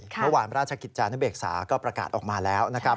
เมื่อวานราชกิจจานุเบกษาก็ประกาศออกมาแล้วนะครับ